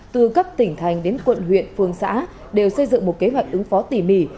từ cấp tỉnh thành đến quận huyện phường xã đều xây dựng một kế hoạch ứng phó tỉ mỉ